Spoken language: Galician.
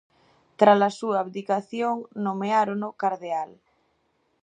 Trala súa abdicación, nomeárono cardeal.